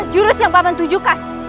jurus yang paman tunjukan